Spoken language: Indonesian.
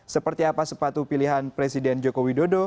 seperti apa sepatu pilihan presiden joko widodo